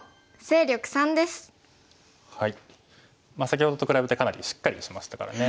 先ほどと比べてかなりしっかりしましたからね。